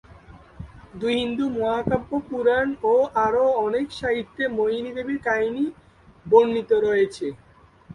দুই হিন্দু মহাকাব্য, পুরাণ ও আরো অনেক সাহিত্যে মোহিনী দেবীর কাহিনী বর্ণিত রয়েছে।